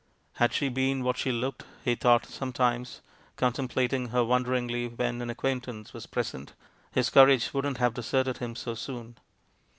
Had she been what she looked, he thought sometimes, contemplating her wonderingly when an acquaintance was pres ent, his courage wouldn't have deserted him so soon.